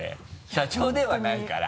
社長ではないから。